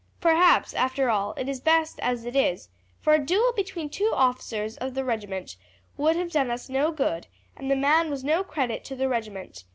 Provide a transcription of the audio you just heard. Perhaps, after all, it is best as it is, for a duel between two officers of the regiment would have done us no good, and the man was no credit to the regiment.